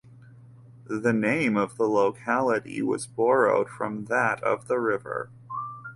The name of the locality was borrowed from that of the river.